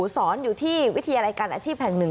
สอนอยู่ที่วิทยาลัยการอาชีพแห่งหนึ่ง